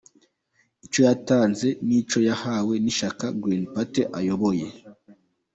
Icyo yatanze ni icyo yahawe n’ishyaka Green Party ayoboye.